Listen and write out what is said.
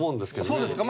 そうですか。